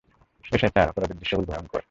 SI sir, অপরাধের দৃশ্যগুলো ভয়ংকর।